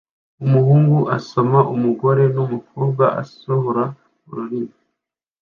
Umuhungu asoma umugore numukobwa asohora ururimi